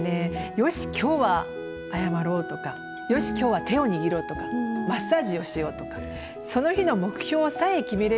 「よし今日は謝ろう」とか「よし今日は手を握ろう」とか「マッサージをしよう」とかその日の目標さえ決めれば何となく場がもつんですよね。